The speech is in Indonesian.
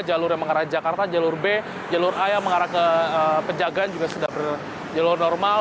jalur yang mengarah jakarta jalur b jalur a yang mengarah ke penjagaan juga sudah berjalur normal